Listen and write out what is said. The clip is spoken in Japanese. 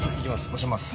押します。